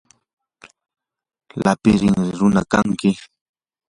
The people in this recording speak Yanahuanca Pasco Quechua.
lapi rinri runam kanki.